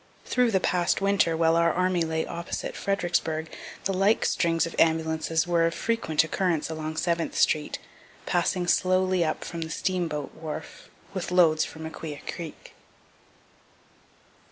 Through the past winter, while our army lay opposite Fredericksburg, the like strings of ambulances were of frequent occurrence along Seventh street, passing slowly up from the steamboat wharf, with loads from Aquia creek.